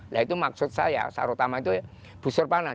nah itu maksud saya sarotama itu busur panah